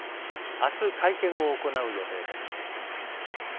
明日、会見を行う予定です。